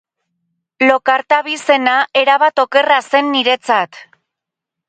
Lockhart abizena erabat okerra zen niretzat.